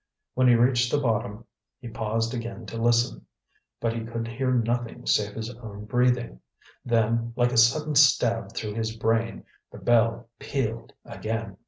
When he reached the bottom, he paused again to listen. But he could hear nothing save his own breathing. Then, like a sudden stab through his brain, the bell pealed again.